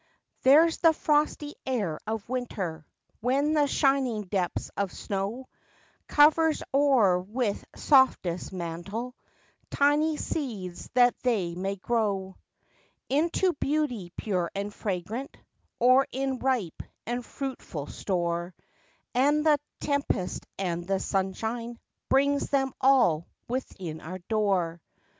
There's the frosty air of winter, When the shining depths of snow Covers o'er with softest mantle, Tiny seeds that they may grow. Into beauty pure and fragrant, Or in ripe and fruitful store, And the tempest and the sunshine Brings them all within our door.